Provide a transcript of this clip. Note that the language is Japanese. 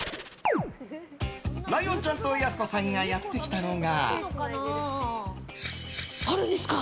ライオンちゃんとやす子さんがやってきたのが。